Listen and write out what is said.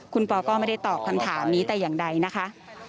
คุณปอก็ไม่ได้ตอบคำถามนี้แต่อย่างใดนะคะ